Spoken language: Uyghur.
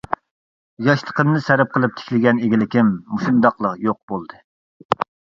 ياشلىقىمنى سەرپ قىلىپ تىكلىگەن ئىگىلىكىم مۇشۇنداقلا يوق بولدى.